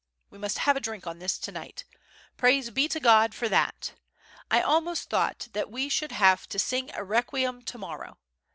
We must have a drink on this to night. Praise be to God for that! I almost thought that we should have to smg a requiem to morrow.